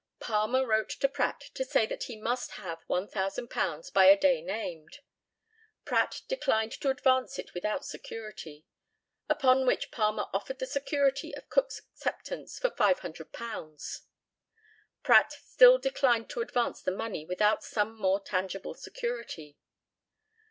Palmer wrote to Pratt to say that he must have £1,000 by a day named. Pratt declined to advance it without security; upon which Palmer offered the security of Cook's acceptance for £500. Pratt still declined to advance the money without some more tangible security.